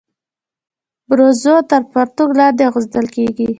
برزو تر پرتوګ لاندي اغوستل کيږي.